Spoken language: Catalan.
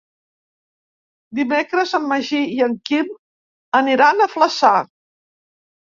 Dimecres en Magí i en Quim aniran a Flaçà.